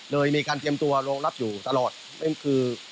โดยมีการเตรียมตัวรองรับอยู่ตลอดนั่นคือ